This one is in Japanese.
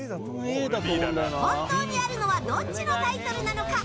本当にあるのはどっちのタイトルなのか？